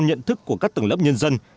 nhận thức của các tầng lớp nhân dân